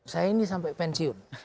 saya ini sampai pensiun